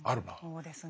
そうですね。